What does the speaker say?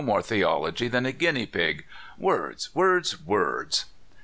more theology than a guinea pig. Words, words, words